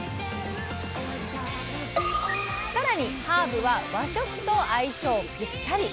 さらにハーブは和食と相性ぴったり！